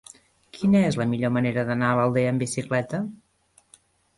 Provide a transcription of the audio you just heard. Quina és la millor manera d'anar a l'Aldea amb bicicleta?